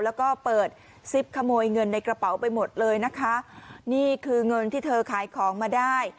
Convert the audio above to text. แล้วก็เปิดซิปขโมยเงินในกระเป๋าไปหมดเลยนะคะนี่คือเงินที่เธอขายของมาได้